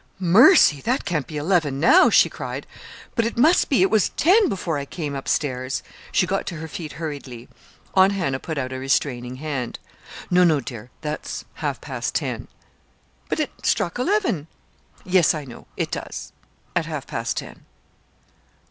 "Mercy! that can't be eleven now," she cried. "But it must be it was ten before I came up stairs." She got to her feet hurriedly. Aunt Hannah put out a restraining hand. "No, no, dear, that's half past ten." "But it struck eleven." "Yes, I know. It does at half past ten."